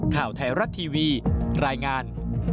ข่าวแถรท์ทีวีรายงาน